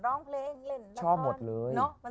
ร้องเพลงเล่นละคร